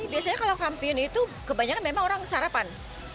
biasanya kalau kampiun itu kebanyakan memang orang sarapan